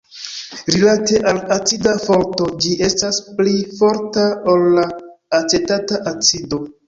Rilate al acida forto ĝi estas pli forta ol la acetata acido.